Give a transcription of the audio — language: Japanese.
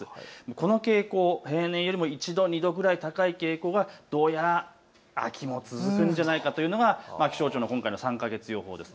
この傾向、平年よりも１度、２度高い傾向がどうやら秋も続くんじゃないかというのが気象庁の今回の３か月予報です。